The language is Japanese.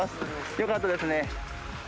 よかったですね。